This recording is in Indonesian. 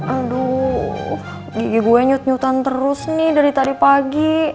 aduh gigi gue nyut nyutan terus nih dari tadi pagi